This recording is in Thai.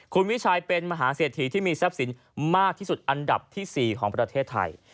คุณวิชัยเป็นมหาเศรษฐีที่มีทรัพย์สินมากที่สุดอันดับที่๔ของประเทศไทย